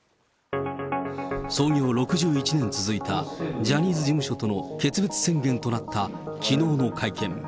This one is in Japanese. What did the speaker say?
創業６１年続いたジャニーズ事務所との決別宣言となったきのうの会見。